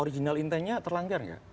original intentnya terlanggar nggak